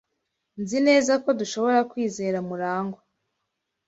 Nzi neza ko dushobora kwizera Murangwa.